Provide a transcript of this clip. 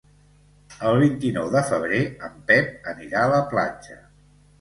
El vint-i-nou de febrer en Pep anirà a la platja.